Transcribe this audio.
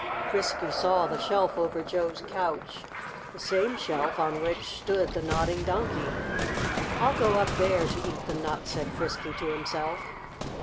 Frisky saw the shelf over Joe's couch, the same shelf on which stood the Nodding Donkey. "I'll go up there to eat the nut," said Frisky to himself.